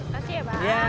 terima kasih ya pak